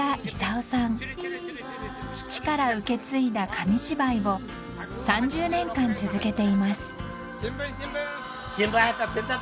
［父から受け継いだ紙芝居を３０年間続けています］